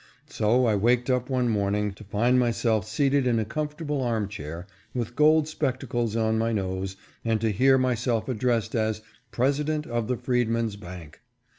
So I waked up one morning to find myself seated in a comforta ble arm chair, with gold spectacles on my nose, and to hear myself addressed as President of the Freedmen's Bank.